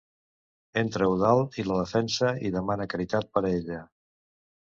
Entra Eudald i la defensa i demana caritat per a ella.